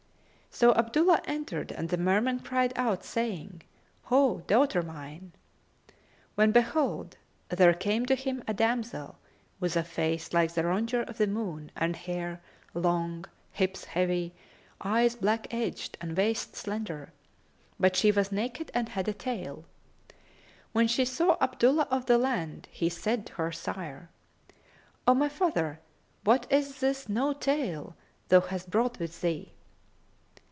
So Abdullah entered and the Merman cried out, saying, "Ho, daughter mine!" when behold, there came to him a damsel with a face like the rondure of the moon and hair long, hips heavy, eyes black edged and waist slender; but she was naked and had a tail. When she saw Abdullah of the Land she said to her sire, "O my father, what is this No tail[FN#272] thou hast brought with thee?"